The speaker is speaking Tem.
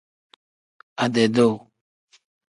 Ade-duu.